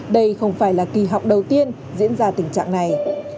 đây không phải là kỳ họp đầu tiên diễn ra tình trạng này